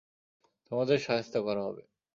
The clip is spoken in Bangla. তোমাদের শায়েস্তা করা হবে।